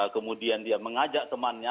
kemudian dia mengajak temannya